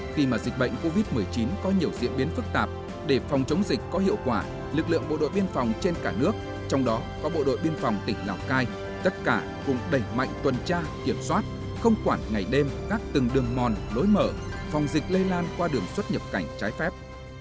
khi mà dịch bệnh covid một mươi chín có nhiều diễn biến phức tạp để phòng chống dịch có hiệu quả lực lượng bộ đội biên phòng trên cả nước trong đó có bộ đội biên phòng tỉnh lào cai tất cả cùng đẩy mạnh tuần tra kiểm soát không quản ngày đêm các từng đường mòn lối mở phòng dịch lây lan qua đường xuất nhập cảnh trái phép